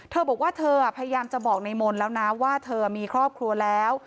เธอบอกว่าเธอพยายามจะบอกในมนต์แล้วนะว่าเธอมีครอบครัวแล้ว